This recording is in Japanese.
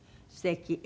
すてき。